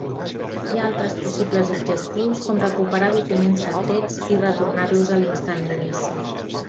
Hi ha altres possibles objectius com recuperar documents secrets i retornar-los a l'instant d'inici.